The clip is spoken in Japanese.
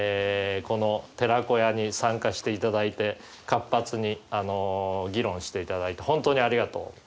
この寺子屋に参加していただいて活発に議論していただいて本当にありがとう。